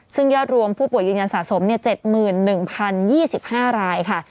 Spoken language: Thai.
ซึ่งยอดรวมผู้ป่วยยืนยันสะสม๗๑๐๒๕รายค่ะ